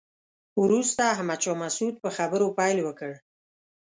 وروسته احمد شاه مسعود په خبرو پیل وکړ.